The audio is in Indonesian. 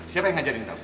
siapa yang ngajarin kamu